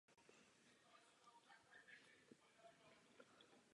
Na území obce se nachází několik rybníků.